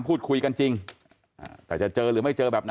พูดคุยกันจริงแต่จะเจอหรือไม่เจอแบบนั้น